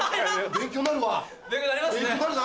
勉強なるな。